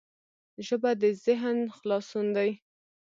ژبه د ذهن خلاصون دی